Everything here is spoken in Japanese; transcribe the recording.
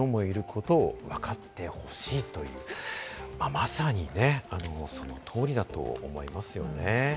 まさにその通りだと思いますよね。